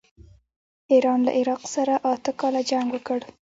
ایران له عراق سره اته کاله جنګ وکړ.